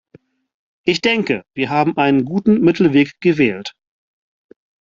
Ich denke, wir haben einen guten Mittelweg gewählt.